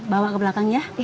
bawa ke belakang ya